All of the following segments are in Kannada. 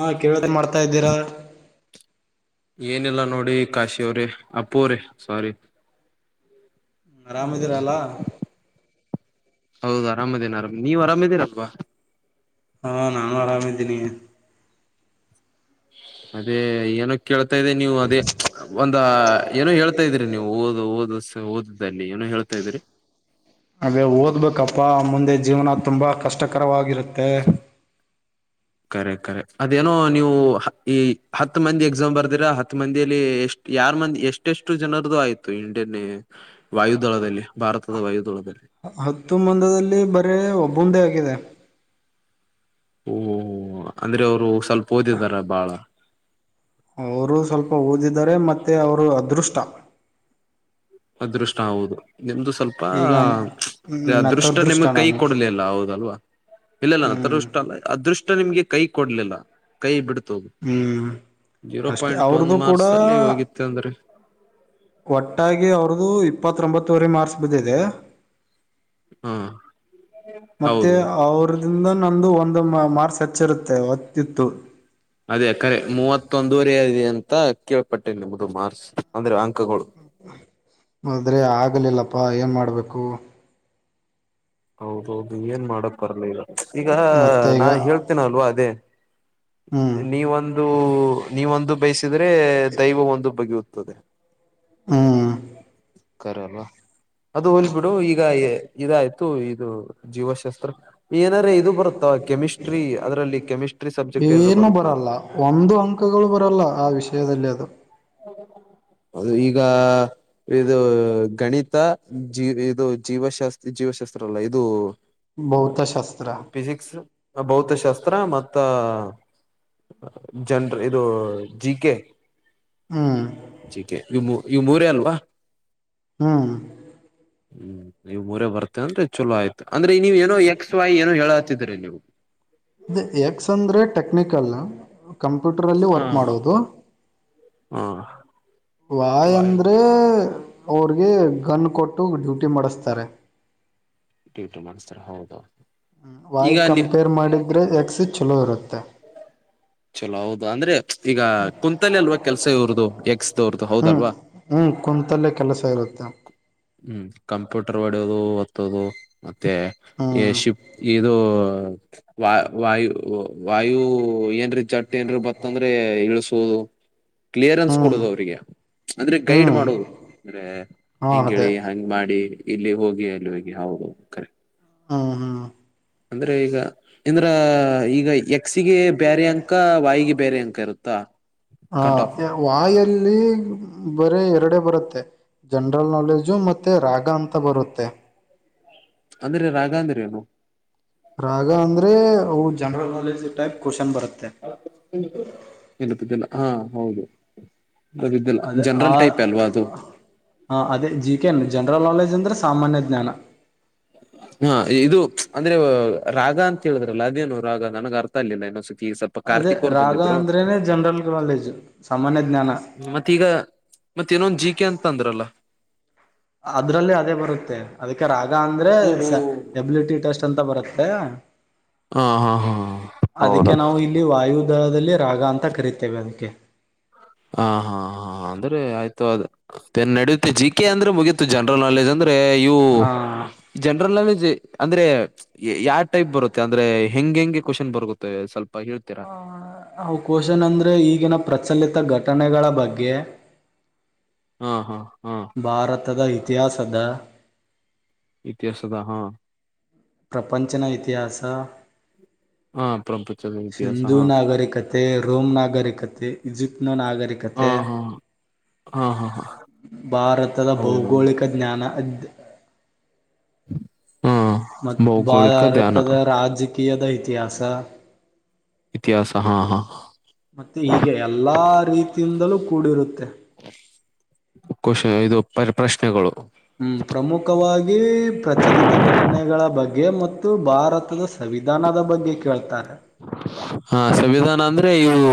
ಹಾ ಕೇಳ್ದೆ ಮಾಡ್ತಾ ಇದ್ದೀರಾ. ಏನಿಲ್ಲಾ ನೋಡಿ ಕಾಶಿ ಅವರೇ ಅಪ್ಪು ಅವರೇ ಸಾರೀ. ಹ್ಮ ಅರಾಮದೀರ ಅಲ್ಲಾ. ಹೌದು ಆರಾಮ್ ಇದ್ದೀನಿ ನೀವ್ ಅರಾಮದೀರಲ್ವಾ ಹಾ ನಾನು ಆರಾಮಿದ್ದೀನಿ. ಅದೇ ಏನೋ ಕೇಳ. ತ ಇದೆ ನೀವು ಅದೇ ಒಂದ ಏನೋ ಹೇಳ್ತಾ ಇದ್ರರಿ ನೀವು ಓದು ಓದು. ಓದಲ್ಲಿ ಏನೋ ಹೇಳ್ತಾ ಇದ್ರರಿ. ಅದೇ ಓದ್ಬೇಕಪ್ಪಾ ಮುಂದೆ ಜೀವನ ತುಂಬಾ ಕಷ್ಟ. ಕರವಾಗಿ [unintelligible] ಮತ್ತೆ- ಕರೆಕ್ಟ್ ಕರೆಕ್ಟ್ ಅದೇನೋ ನೀವು ಈ ಹತ್ತು ಮಂದಿ ಎಕ್ಸಾಮ್ ಬರ್ದಿರಾ ಹತ್ ಮಂದಿಯಲ್ಲಿ ಎಷ್ಟ್ ಯಾರ್ ಮಂದಿ ಎಷ್ಟೆಷ್ಟು ಜನರದದುು ಆಯತು ಇಂಡಿಯನ್ ವಾಯುದಳದಲ್ಲಿ ಭಾರತದ ವಾಯುುದಳದಲ್ಲಿ. ಹತ್ತು ಮಂದದಲ್ಲಿ ಬರೇ ಒಬ್ಬಂದೆ ಆಗಿದೆ. ಓ ಅಂದ್ರೆ ಅವರು- ಸ್ವಲ್ಪ ಓದಿದಾರ ಬಾಳ- ಅವರು ಸ್ವಲ್ಪ ಓದಿದ್ದಾರೆ ಮತ್ತೆ ಅವರು ಅದೃಷ್ಟ. ಅದೃಷ್ಟ ಆದು. ನಿಮ್ದು ಸ್ವಲ್ಪ ಈಗ ಅದೃಷ್ಟ ನತದೃಷ್ಟ ನಿಮ್ಗೆ ಕೈ ನಾನು ಕೊಡ್ಲಲ್ಲ ಹೌದಲ್ವಾ ಇಲ್ಲಲ್ಲ ಹ್ಮ್ ಅದೃಷ್ಟ ಅಲ್ಲ ಅದೃಷ್ಟ ನಿಮ್ಗೆ ಕೈ ಕೊಡ್ಲಿಲ್ಲ ಕೈ ಬಿಡ್ ಹ್ಮ್ ಜೀರೋ ಅಷ್ಟೆ ಪಾಯಿಂಟ್ ಒಂದ್ ಅವ್ರದ್ದು ಕೂಡ ಮಾರ್ಕ್ಸ್ ಅಲ್ಲಿ ಹೋಗಿತ್ತು ಅಂದ್ರೆ. ಒಟ್ಟಾಗಿ ಅವ್ರದದುು ಇಪ್ಪತ್ತೊಂಬತ್ತುವರೆ ಮಾರ್ಕ್ಸ್ ಬಿದ್ದಿದೆ. ಹಾ ಮತ್ತೆ ಹೌದು ಅವ್ರದಿಂದ ನಂದು ಒಂದು ಮಾರ್ಸ್ ಹಚ್ಚಿರುತ್ತೆ ಹೊತ್ತಿತ್ತು ಅದೇ ಕರೆ ಮೂವತ್ತೊಂದೂುವರೆದೆ ಅಂ ಅ ಕೇಳ್ಪಟ್ಟೇನೆ ನಮ್ಮದು ಮಾರ್ಸ್ ಅಂದ್ರೆ ಅಂಕಗಳು ಆದ್ರೆ ಆಗ್ಲಿಲ್ಲಪ್ಪಾ ಏನ್ ಮಾಡ್ಬೇಕು ಗು ಹೌದೌದು ಏನ್ ಮಾಡಕ್ ಬರ್ಲಿಲ್ಲಗ. ಈಗ ಮತ್ತೆ ನಾ ಈಗ ಹೇಳ್ತೇನ ಅಲ್ವಾ ಅದೇ. ಹ್ಮ್ ನೀವೊಂದು. ನೀ ಒಂದು ಬೇಸ್ ದೈವ ಒಂದು ಬಗೆಯೆ ತದೆ ಹಾ- ಕರೆಲ- ಅದು ಹೋಗ್ಲಿ ಬಿಡು ಈಗ ಇದ ಆಯ್ತು ಇದು ಜೀವಶಾಸ್ತ್ರ. ಏನಾರ ಇದು ಬರುತ್ತಾ ಕೆಮಿಸ್ಟ್ರಿ ಅದರಲ್ಲಿ ಕೆಮಿಸ್ಟ್ರಿ ಸಬ್ಜೆಕ್ಟ್ [unintelligible] ಏನಾರ ಏನು ಬರುತ್ತಾ ಬರಲ್ಲ ಒಂದು ಅಂಕಗಳು ಬರಲ್ಲ ಆ ವಿಷಯದಲ್ಲಿ ಅದು ಅದು ಈಗ ಇದು ಗಣಿತ ಜೀ ಇದು ಜೀವಶಾಸ್ತ್ ಜೀವಶಾಸ್ತ್ರ ಅಲ್ಲ ಇದು ಹ ಭೌತಶಾಸ್ತ್ರ ಫಿಸಿಕ್ಸ್ ಭೌತಶಾಸ್ತ್ರ ಮತ್ತ ಜನ್ರ ಇದು ಜಿ ಕೆ ಹ್ಮ್ ಜಿ ಕೆ ಇದ್ ಈ ಮೂರ ಅಲ್ವಾ. ಹ್ಮ್. ಹ್ಮ್ ನೀವು ಮೂರ ಬರ್ತತೆ ಅಂದ್ರೆ ಚಲೋ ಆಯ್ತು. ಅಂದ್ರೆ ನೀವ ಏನೋ ಎಕ್ಸ್ ವೈ ಏನೋ ಹೇಳ ಹತಿದೀರರಿ ನೀವು ಟೆಕ್ನಿಕಲ್ನ. ಕಂಪ್ಯೂಟರ್ ಅಲ್ಲಿ ಹ ವರ್ಕ್ ಮಾಡೋದು ಹ ವಾಯ್ ಅಂದ್ರೆ ಅವ್ರಿಗೆ ಗನ್ ಕೊಟ್ಟ. ಡ್ಯೂಟಿ ಮಾಡಿಸ್ತಾರೆ ಡ್ಯೂಟಿ ಮಾಡ್ತಾರೆ ಹೌದೌದ. ಹ್ಮ ವಾಯ್ ಕಂಪೇರ್ ಮಾಡಿದ್ರೆ ಎಕ್ಸ್. ಚಲೋ ಇರುತ್ತೆ. ಚಲೋ ಹೌದು ಅಂದ್ರೆ ಈಗ ಕುಂತಲಿ ಅಲ್ವಾ ಕೆಲಸ ಇವರದು ಎಕ್ಸ್- ಹ್ಮ್ ಹ್ಮ್ ಕುಂತಲ್ಲೇ ಕೆಲಸ ಇರುತ್ತೆ. ಹ್ಮ್ ಕಂಪ್ಯೂಟರ್ ಒ. ಹೊಡೋದು ಒತ್ತೋದು- ಮತ್ತೆ ಹ್ಮ್ ಶಿಪ್ ಇದು ವ ವಾಯು ವಾಯು ಏನ್ ರೀ ಚಟ್. ನ್ ಬತ್ತ ಅಂದ್ರೆ ಹ ಕ್ಲಿಯರೆನ್ಸ್ ಹ್ಮ್ ಕೊಡುದು ಅವ್ರಿಗೆ ಅಂದ್ರೆ ಗೈಡ್ ಹ್ಮ್ ಮಾಡೋುದು ಅಂದ್ರೆ. ಹಾ ಹೆಂಗ ಅದೇ ಹೇಳಿ ಹಂಗ್ ಮಾಡಿ. ಇಲ್ಲಿ ಹೋಗಿ ಅಲ್ಲಿ ಹೋಗಗೆ ಹೌದುದು ಕರೆಕ್ಟ್. ಹಾ ಹಾ. ಅಂದ್ರೆ ಈಗ ಎಂದ್ರ ಈಗ ಯ ಕ್ಸಿಗೆ ಬೇರೆ ಅಂಕ ವಾಯಿಗೆ ಬೇರೆ ಅಂಕ ಇರುತ್ತಾ ಕಟ್ ಆಫ್. ವಾಯಲ್ಲಿ ಹ- ಬರೀ ಎರಡೆ ಬರುತ್ತೆ ಜನರಲ್ ನಾಲೆಜು ಮತ್ತೆ ರಾಗ ಅಂತ- ಮತ್ತಾ ಬರುತ್ತೆ- ಅಂದ್ರೆ ರಾಘ ಅಂದ್ರ ಏನು- ರಾಗ ಅಂದ್ರೆ ಅವು ಜನರಲ್ ನಾಲೆಜ್ ಟೈಪ್ ಕ್ವಶನ್ ಬರುತ್ತೆ ಇಲ್ಲತಿದ್ದಿಲ್ಲ ಹಾ [unintelligible] ಹೌದು. ಅದಲ್ಲ ಅದೇ ಆ ಜನರಲ್ ಟೈಪ್ ಅಲ್ವಾ ಅದು. ಜನರಲ್ ಜನರಲ್ ನಾಲೆಜ್ ಅಂದ್ರೆ ಸಾಮಾನ್ಯ ಜ್ಞಾನ ಹಾ ಇದು ಅಂದ್ರೆ- ರಾಗ ಅಂತ ಹೇಳಿದ್ರಲ್ಲ ಅದೇನು ರಾಗ ನನಗ್ ಅರ್ಥ ಅ ಇಗಿಲ್ಲ ಏನೋ ಸಿ. ಈಗ ಸ್ವಲ್ಪ ಅದೇ ಕಾರ್ತಿಕ್ ಅವರು ರಾಗ ಬಂದಿದ್ರು ಅಂದ್ರೇನೆ ಜನರಲ್ ನಾಲೆಜ್ ಸಾಮಾನ್ಯ ಜ್ಞಾನ ಮತ್ತ ಈಗ ಮತ್ತ ನೊಂದ ಜಿ ಕೆ ಅಂತ ಅಂದ್ರಲ್ಲ ಅದ್ರಲ್ಲಿ ಅದೇ ಬರುತ್ತೆ ಅದಕ್ಕೆ ರಾಗ. ಹಾ ಅಂದ್ರೆ ಓಹೋ ಡಬ್ಲ್ಯೂ ಟಿ ಟೆಸ್ಟ್ ಅಂತ ಬರುತ್ತೆ ತೆ ಹಾ ಹಾ ಹಾ ಹೌದಾ ದಲ್ಲಿ ರಾಗ ಅಂತ ಕರಿತೇವೆ ಅದಕ್ಕೆ ಹ ಹಾ ಹಾ ಅಂದ್ರೆ ಆಯ್ತು ಅದೇನ್ ನಡೀ ಜಿ ಕೆ ಅಂದ್ರೆ ಮುಗೀತು ಜನರಲ್ ನಾಲೆಜ್ ಅಂದ್ರೆ ಇವು ಹಾ ಜನರಲ್ ನಾಲೆಜ್ ಅಂದ್ರೆ ಯಾವ ಟೈಪ್ ಬರುತ್ತೆ ಅಂದ್ರೆ ಹೆಂಗ್ ಹೆಂಗೆ ಕ್ವೆಶ್ಚನ್ ಬರುತ್ತೆ ಸ್ವಲ್ಪ ಹೇಳ್ತೀರಾ ಹ ಹ ಅವು ಕ್ವಶನ್ ಅಂದ್ರೆ ಈಗಿನ ಪ್ರಚಲಿತ ಗಟ ಘಟನೆಗಳ ಬಗ್ಗೆ ಹಾ ಹಾ ಹಾ ಭಾರತದ ಇತಿಹಾಸದ ಇತಿಯಾಸದ ಹಾ ಪ್ರಪಂಚನ ಇತಿಹಾಸ ಹಾ ಪ್ರಪಂಚದ ಇತಿಹಾಸ ಸಿಂಧು ಹಾ ನಾಗರಿಕತೆ ರೋಮ್ ನಾಗರಿಕತೆ ಈಜಿಪ್ಟನ ಹಾ ನಾಗರಿಕತೆ ಹಾ ಹಾ ಹಾ ಹಾ ಭಾರತದ ಹೌದೌದು ಭೌಗೋಳಿಕ ಜ್ಞಾನ್ [inaudible] ಮತ್ ಬಾ ಭೌಗೋಳಿಕ ಧ್ಯಾನ ಭಾರತದ ರಾಜಕೀಯ ಕಿಯದ ಇತಿಹಾಸ ಇತಿಹಾಸ ಹಾ ಹಾ ಮತ್ತೆ ಈಗ ಎಲ್ಲಾ ರೀತಿಯಿಂದಲೂ ಕೂಡಿರುತ್ತೆ ಕ್ವಶನ್ ಇದು ಪ್ರ ಪ್ರಶ್ನೆಗಳು ಹ್ಮ್ ಪ್ರಮುಖವಾಗಿ ಪ್ರಚಲಿತ ಘಟನೆಗಳ ಬಗ್ಗೆ ಮ ಮತ್ತು ಭಾರತದ ಸಂವಿಧಾನದ ಬಗ್ಗೆ ಕೇಳ್ತಾರೆ ಹಾ ಸಂವಿಧಾನ ಅಂದ್ರೆ ಇವು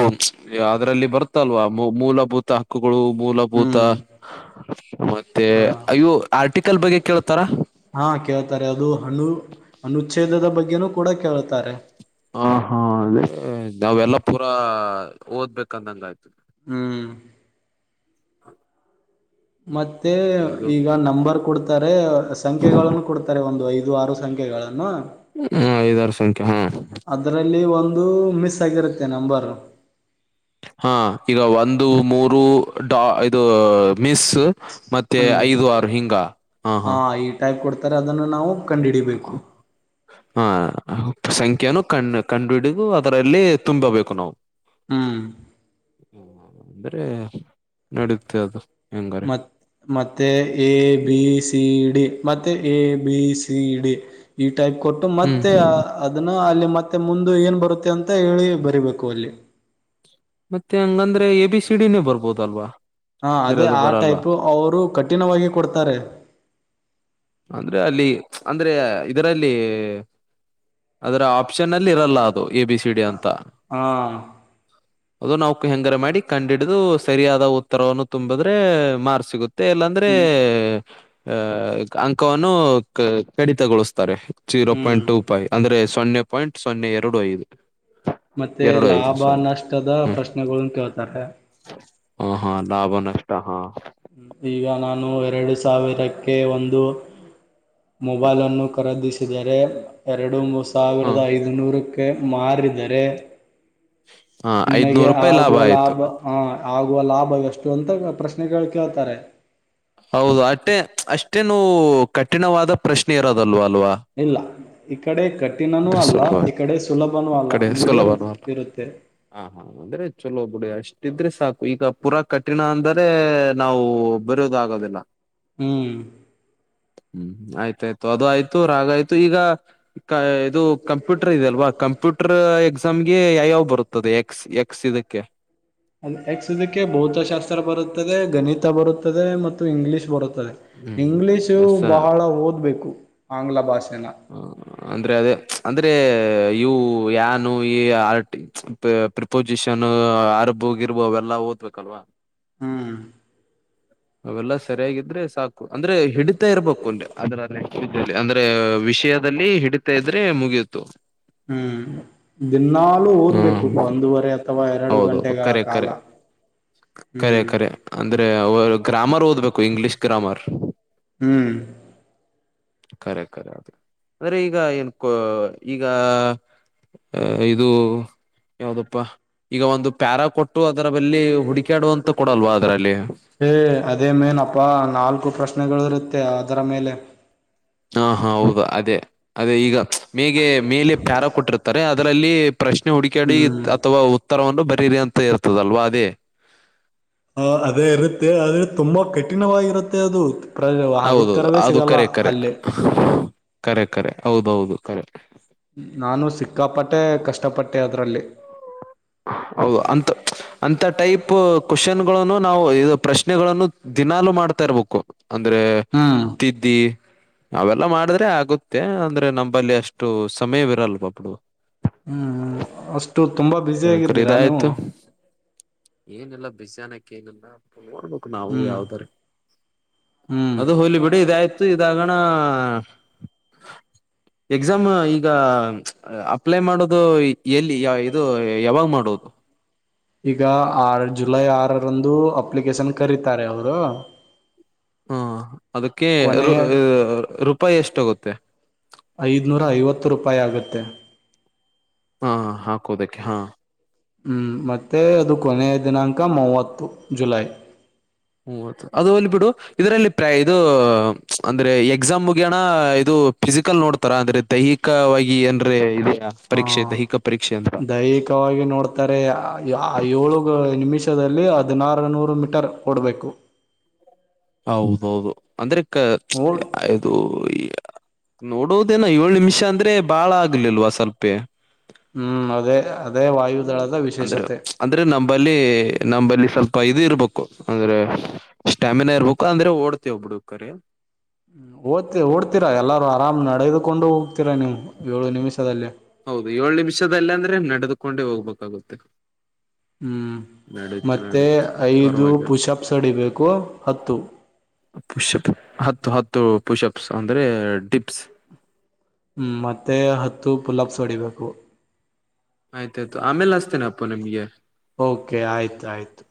ಅದರಲ್ಲಿ ಬರ್ತಲ್ವಾ ಮೂಲ ಮೂಲಭೂತ ಹಕ್ಕು ಗಳು ಮೂಲಭೂತ ಹ್ಮ್ ಮತ್ತೆ ಹಾ ಅಯ್ಯೋ ಆರ್ಟಿಕಲ್ ಬಗ್ಗೆ ಕೇಳ್ತಾರ ಹಾ ಕೇಳ್ತಾರೆ ಅದು ಅನು ಅನುಚ್ಛೇದದ ಬಗ್ಗೆ ಬಗ್ಗೆ ನು ಕೂಡ ಕೇಳುತ್ತಾರೆ ಹ ಹಾ ಅಲ್ಲೇ ನಾವೆಲ್ಲ ಪೂರಾ ಓದ್ಬೇಕಂದಂಗ ಆಯ್ತು ಹ್ಮ್ [inaudible] ಮತ್ತೆ ಇದು ಈಗ ನಂಬರ್ ಕೊಡ್ ತರೆ ಸಂಖ್ಯೆಗಳನ್ನು ಕೊಡ್ತರೆ ಒಂದು ಐದು ಆರು ಸಂಖ್ಯೆಗಳನ್ನು ಹ್ಮ್ ಐದಾರ್ ಸಂಖ್ಯೆ ಹ ಅದರಲ್ಲಿ ಒಂದು ಮಿಸ್ ಆಗಿರುತ್ತೆ ನಂಬರ್ ಹಾ ಈಗ ಒಂದು ಮೂರು ಡಾ ಇದು ಮಿಸ್ಸು ಮತ್ತೆ ಹ್ಮ್ ಐದು ಆರು ಹಿಂಗ ಹ ಹ ನಾ ಅದನ್ನ ನಾವು ಕಂಡಿಡಿಬೇಕು ಸಂಖ್ಯನ ಕಣ್ ಕಂಡ್ಬಿಡಗು ಅದರಲ್ಲಿ ತುಂಬಬೇಕು ನಾವು. ಹ್ಮ್ ಹ ಬರೇ ನಡುತ್ತೆ ಅದು ಹೆಂಗಾರೆ ಮ ಮತ್ತೆ ಎ ಬಿ ಸಿ ಡಿ ಮತ್ತೆ A B C D E type ಕೊಟ್ಟು ಹ್ಮ್ ಮತ್ತೆ ಅದನ್ನ ಅಲ್ಲಿ ಮತ್ತೆ ಮುಂದು ಏನ್ ಬರುತ್ತೆ ಅಂತ ಹೇಳಿ ಬರಿಬೇಕು ಅಲ್ಲಿ. ಮತ್ತೆ ಹಂಗಂದ್ರೆ ಎ ಬಿ ಸಿ ಡಿ ನೇ ಬರ್ಬೋದಲ್ವಾ ಹಾ ಅಂದ್ರೆ ಅದೇ ಅದು ಆ ಬರಲ್ಲ ಟೈಪ್ ಅವರು ಕಠಿಣವಾಗಿ ಕೊಡ್ತರೆ. ಅಂದ್ರೆ ಅಲ್ಲಿ ಅಂದ್ರೆ ಇದರಲ್ಲಿ ಅದರ ಆಪ್ಷನ್ ಅಲ್ಲಿ ಇರಲ್ಲ ದು ಎ ಬಿ ಸಿ ಡಿ ಅಂತ ಹಾ [unintelligible] ಅದು ನಾವು ಹೆಂಗರ ಮಾಡಿ ಕಂಡಹಿಡಿದು ಸರಿಯಾದ ಉತ್ತರವನ್ನು ತುಂಬಿದ್ರೆ ಮಾರ್ಕ್ಸ್ ಸಿಗು ತ್ತೆ ಇಲ್ಲಂದ್ರೆ ಹ್ಮ್ ಹ ಅಂಕವನ್ನು ಕ ಕಡಿತಗೊಳಿಸ್ತರೆ. ಜೀರೋ ಹ್ಮ್ ಪಾಯಿಂಟ್ ಟು ಫೈವ್ ಅಂದ್ರೆ ಸು ಸೊನ್ನೆ ಪಾಯಿಂಟ್ ಸೊನ್ನೆ ಎರಡು ಐದು. ಮತ್ತೆ ಎರಡು ಐದು ಲಾಭ ಸಾವಿರ ನಷ್ಟದ ಹ್ಮ್ ಪ್ರಶ್ನೆಗಳನ ಕೇಳ್ತರೆ ಹ ಹಾ ಲಾಭ ನಷ್ಟ ಹ ಈಗ ನಾನು ಎರಡು ಸಾವಿರಕ್ಕೆ ಒಂದು ಮೊಬೈಲ್ ಅನ್ನು ಕರೆದಿಸ್ ಸಿದರೆ ಎರಡು ಮುಸ್ ಹ ಸಾವಿರದ ಐದುನೂರು ಕ್ಕೆ ಮಾರಿದರೆ ಹ [unintelligible] ನಿನಗೆ ಐದ್ನೂರು ರೂಪಾಯಿ ಆಗುವ ಆಯ್ತು ಲಾಭ ಹ ಆಗುವ ಲಾಭ ಎಷ್ಟು ಅಂತ ಪ್ರಶ್ನೆಗಳು ಕೇಳ್ತಾರೆ. ಹೌದು ಅಷ್ಟೆ ಅಷ್ಟೇನು ಕಠಿಣವಾದ ಪ್ರಶ್ನೆ ಇರೋದಲ್ವ. ಇಲ್ಲ. ಇ ಕಡೆ. ಕಠಿಣನೂ ಅಂದ್ರೆ ಅಲ್ಲ ಸ್ವಲ್ಪ ಈ ಕಡೆ ಸುಲಭನೂ ಅಲ್ಲ ಕಡೆ ಮೀಡಿಯಂ ಸುಲಭನೂ ಅಲ್ಲ ಇರುತ್ತೆ. ಇಟ್ಟಿದ್ರೆ ಸಾಕು ಈಗ ಪೂರಾ ಕಠಿಣ ಅಂದರೆ ನಾವು ಬರೋದ ಆಗೋದಿಲ್ಲ. ಹ್ಮ್- ಹ್ಮ್ ಆಯ್ತಾಯ್ತು ಅದು ಆಯ್ತು ರಾಗ ಆಯ್ತು ಈಗ- ಇದು ಕಂಪ್ಯೂಟರ್ ಇದೆ ಅಲ್ವಾ ಕಂಪ್ಯೂಟರ್ ಎ- ನಮ್ಗೆ ಯಯಾವ್ ಬರುತ್ತದೆ- ಎಕ್ಸ್ ಎಕ್ಸ್ ಇದಕ್ಕೆ- ಅ ಎಕ್ಸ್ ಇದಕ್ಕೆ [unintelligible] ಬರುತ್ತದೆ ಗಣಿತ ಬರುತ್ತದೆ ಮತ್ತು ಇಂಗ್ಲಿಷ್. ಬರುತ್ತಾರೆ ಹ್ಮ್ ಇಂಗ್ಲಿಷ್ ಎಸ್ ಬಹಳ ಓದ್ಬೇಕು ಆಂಗ್ಲ ಭಾಷೆ. ಇನ್ನ- ಅ ಅದೇ ಅಂದ್ರೆ ಇವು ನುು ಈ ಆರ್ ಪ್ರಿಪೋಸಿಷನ್ ಆರ್ಬಗ ಇರ್ಬು ಅವೆಲ್ಲಾ ಓದ್ಬೇಕಲ್ವಾ. ಹ್ಮ್. ಅವೆಲ್ಲಾ ಸರಿಯಾಗಿದ್ರೆ ಸಾಕು ಅಂದ್ರೆ. ಹಿಡಿತಾ ಇರ್ಬೇಕು ಅನ್ರಿ ಅದರಲ್ಲಿೇ. ಅಂದ್ರೆ ವಿಷಯದಲ್ಲಿ ಹಿಡಿತಾ ಇದ್ರೆ ಮುಗಿಯತು. ಹ್ಮ್ ದಿನ್ನಾಲೂ ಹ್ಮ್ ಹಓದ್ಬೇಕು ಒಂದೂವರೆ ಅಥವಾ ಎರಡು ಹೌದೌದು ಗಂಟೆಗಳ ಕರೆ ಕಾಲ ಕರೆ ಹ್ಮ್. ಅವ [unintelligible] ಗ್ರಾಮರ್ ಓದಬೇಕು ಇಂಗ್ಲೀಷ್ ಗ್ರಾಮರ್. ಹ್ಮ್ ಖರೆಖರೆ ಅ ಅಂದ್ರೆ ಈಗ ಏನ್ ಈಗ ಅ ಇದು ಯಾವ್ದಪ್ಪ ಈಗ ಒಂದು ಪ್ಯಾರಾ ಕೊಟ್ಟ. ಅದರ ಬಲ್ಲಿ ಹುಡಕಾಡುವಂತ ಕೊಡಲ್ವಾ ಅದರಲ್ಲಿ. ಏ ಅದೇ ಮೇನಪ್ಪಾ ನಾಲ್ಕು ಪ್ರಶ್ನೆಗಳು ಇರುತ್ತೆ ಅದರ ಮೇಲೆ. ಹಾ ಹಾ ಹೌದು ಅದೇ ಅದೇ ಈಗ. ಮೇಗೆ ಮೇಲೆ ಪ್ಯಾರ ಕೊಟ್ಟಿರ್ತಾರೆ ಅದರಲ್ಲಿ. ಪ್ರಶ್ನೆ ಹುಡಿಕಾಡಿ ಹ್ಮ್ ಅಥವಾ ಉತ್ತರವನ್ನು ಬರಿ. ಕ್ಟೀರಿಯಾ ಅಂತ ಇರ್ತದಲ್ವಾ ಅದೇ. ಹ ಅದೇ ಇರುತ್ತೆ ಆದ್ರೆ ತುಂಬಾ ಕೆಟ್ಟ. ಕಠಿಣವಾಗಿರುತ್ತೆ ಅದು ಹೌದು ಉತ್ತರವೇ ಅದು ಸಿಗಲ್ಲ ಕರೆ ಕರೆ ಅಲ್ಲೇ. ಕರೆ ಕರೆ ಹೌದೌದು ಕರೆ ನಾನು ಸಿಕ್ಕಾಪಟ್ಟೆ ಕಷ್ಟಪಟ್ಟೆ ಅದರಲ್ಲಿ ಹ ಅಂತ ಅಂತ ಟೈಪ್ ಕ್ವೆಶ್ಚನ್ ಗಳನ್ನು ನಾವು ಇ ಪ್ರಶ್ನೆಗಳನ್ನು ದಿನಲುೂ ಮಾಡ್ತಾ ಇರ್ಬೇಕು ಅಂದ್ರೆ ಹ್ಮ್ ತಿದ್ದಿ ಅವೆಲ್ಲ ಮಾಡಿದ್ರೆ ಆಗುತ್ತೆ ಅಂದ್ರೆ ನಂಬಲ್ಲಿ ಅಷ್ಟು ಸಮಯವಿರಲ್ವಾಬ್ಡು ಕರೆ ಕರೆ ಬಿ್ಯುಸಿಯಾಗಿದ್ದೀರಾ ನೀವು ಇದಾಯ್ತು ಏನಿಲ್ಲ ಬ್ಯುಸಿ ಅನಕ್ ಏನಿಲ್ಲ ನೋಡ್ಬೇಕು ನಾವು ಹ್ಮ್ ಯಾವ್ದಾರೆ ಹ್ಮ್ ಅದು ಹೋಗ್ಲಿ ಬಿಡ ಇದಾಯಯ್ತು ಇದಾಗಣ ಎಕ್ಸಾಮ್ ಈಗ ಅಪ್ಲೈ ಮಾಡೋದು ಎಲ್ಲಿ ಯ ಇದು ಯಾವಾಗ್ ಮಾಡುವದು ಈಗ ಆರ್ ಜುಲೈ ಆರ್ ಅಪ್ಲಿಕೇಶನ್ ಕರೀತಾರೆ ಅವರು ಹಾ ಅದಕ್ಕೆ ಕೊನೆಯ ರೂಪಾಯಿ ಎಷ್ಟೋಗುತ್ತೆ ಉಪಾಯ ಆಗುತ್ತೆ ಹಾ ಹಾಕೋದಕ್ಕೆ ಹಾ ಹ್ ಮತ್ತೆ ಅದು ಕೊನೆಯ ದಿನಾಂಕ ಮೂವತ್ತು ಜುಲೈ ಹ್ಮ ಅದು ಅಲ್ ಬಿಿಡು ಇದ್ರಲ್ಲಿ ಪ್ರ ಇದು ಅಂದ್ರೆ ಎಕ್ಸಾಮ್ ಮುಗಣ ಇದು ಫಿಸಿಕಲ್ ನೋಡ್ತಾರ ಅಂದ್ರೆ ದೈಹಿಕವಾಗಿ ಏನ್ೆ ಇ ಹಾ ದೈಹಿಕವಾಗಿ ನೋಡ್ತಾರೆ ಏಳುಗ ನಿಮಿಷ ವಚ್ಚ ಹದಿನಾರು ನೂರು ಮೀಟರ್ ಕೊಡಬೇಕು ಹೌದೌದು ಅಂದ್ರೆ ಓಡ್ ಇದು ಈ ನೋಡೋದೇನ ಏಳ್ ನಿಮಿಷ ಅಂದ್ರೆ ಬಾಳ ಆಗ್ಲಿಲ್ವ ಸ್ವಲ್ಪೇ ಹ್ಮ್ ಅದೇ ಅ ಹ್ಮ ಅಂದ್ರೆ ಅಂದ್ರೆ ನಂಬಲ್ಲಿ ನಂಬಲ್ಲಿ ಸ್ವಲ್ಪ ಇದು ಇರ್ಬೇಕು ಅಂದ್ರೆ ಸ್ಟಾಮಿನಾ ಇರ್ಬೇಕು ಅಂದ್ರೆ ಓಡ್ತವಬ್ಬಡು ಕರಿ ಹ್ಮ ಓದ್ತಿ ಓಡ್ತೀರಾ ಎಲ್ಲಾರು ಆರಾಮ್ ನಡೆದುಕೊಂಡು ಹೋಗ್ತೀರಾ ನೀವು ಏಳು ನಿಮಿಷದಲ್ಲಿ ಹೌದು ಏಳ್ು ನಿಮಿಷದಲ್ಲಾಂದ್ರೆ ನಡೆದುಕೊಂಡೆ ಹೋಗ್ಬೇಕಾಗುತ್ತೆ ಹ್ಞ ನಡೀತ್ ಮತ್ತು ನಡೀತ್ ಐದು ಪರವಾಗಿಲ್ಲ ಪುಷ್ಪ್ಸ್ ವಡಿಬೇಕು ಹತ್ತು ಪುಷ್ಪ್ಸ್ ಅಂದ್ರೆ ಡಿಪ್ಸ್ ಹ್ಮ್ ಮತ್ತೆ ಹತ್ತು ಪುಲಾಬ್ಸ್ ಹೊಡಿಬೇಕು ಆಯ್ತಾಯ್ತು ಆಮೇಲೆ ಅಸ್ತೇನ ಅಪ್ಪ ನಿಮ್ಗೆ ಓಕೆ ಆಯ್ತ ಆಯ್ತು